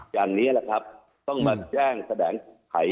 อย่างนี้ต้องแจ้งแสดงทักษ์ไข่